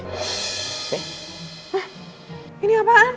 hah ini apaan